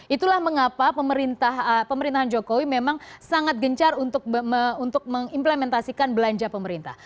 itulah mengapa pemerintahan jokowi memang sangat gencar untuk mengimplementasikan belanja pemerintah